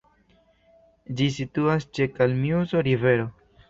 Ĝi situas ĉe Kalmiuso-rivero.